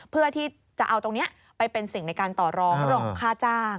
เพื่อที่จะเอาตรงนี้ไปเป็นสิ่งในการต่อรองเรื่องของค่าจ้าง